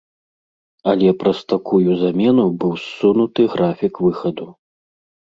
Але праз такую замену быў ссунуты графік выхаду.